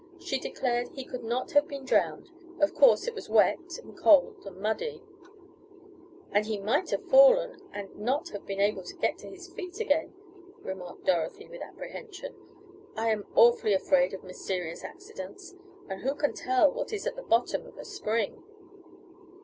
She declared he could not have been drowned; of course it was wet and cold and muddy "And he might have fallen, and not have been able to get to his feet again," remarked Dorothy, with apprehension. "I am awfully afraid of mysterious accidents; and who can tell what is at the bottom of a spring?"